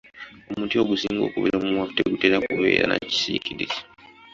Omuti ogusinga okubeera omuwanvu tegutera kubeera na kisiikirize.